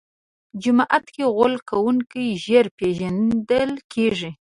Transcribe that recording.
جومات کې غول کوونکی ژر پېژندل کېږي.